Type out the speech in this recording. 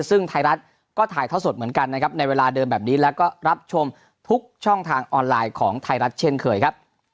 ซึ่งไทยรัฐก็ถ่ายท่อสดเหมือนกันนะครับในเวลาเดิมแบบนี้แล้วก็รับชมทุกช่องทางออนไลน์ของไทยรัฐเช่นเคยครับ